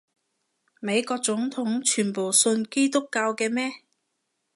美國總統全部信基督教嘅咩？